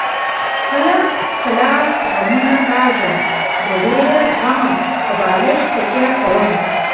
قلم په لاس غمونه کاږم د ډېره غمه په بالښت تکیه کومه.